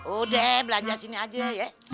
udah belanja sini aja ya